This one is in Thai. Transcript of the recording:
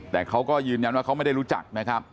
แต่เขาก็ยืนยันว่าเขาไม่ได้รู้จักนะครับ